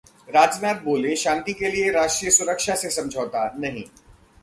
राजनाथ बोले- शांति के लिए राष्ट्रीय सुरक्षा से समझौता नहीं